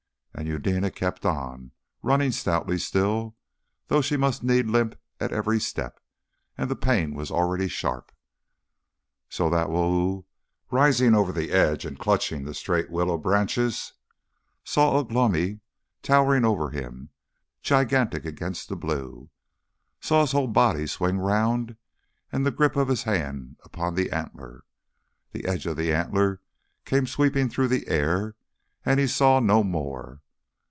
And Eudena kept on, running stoutly still, though she must needs limp at every step, and the pain was already sharp. So that Wau, rising over the edge and clutching the straight willow branches, saw Ugh lomi towering over him, gigantic against the blue; saw his whole body swing round, and the grip of his hands upon the antler. The edge of the antler came sweeping through the air, and he saw no more.